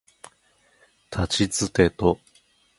たちつてと